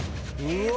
うわ。